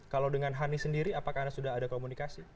kalau dengan hani sendiri apakah anda sudah ada komunikasi